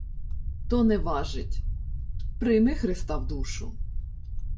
— То не важить. Прийми Христа в душу.